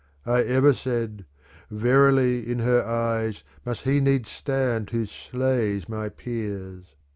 I ever said : Verily in her eyes Must he needs sta?id who slays my peers.